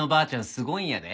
すごいんやで。